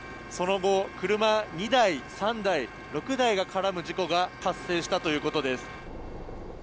その後、車２台、３台、６台が絡む事故が発生したということです。